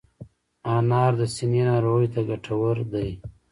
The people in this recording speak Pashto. انار د سینې ناروغیو ته ګټور دی.